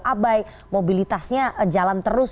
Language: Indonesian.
abai mobilitasnya jalan terus